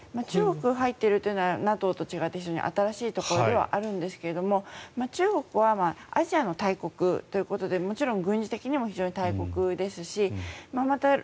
中国が入ってるというのはＮＡＴＯと違って非常に新しいところではあるんですが中国はアジアの大国ということでもちろん軍事的にも非常に大国ですしまた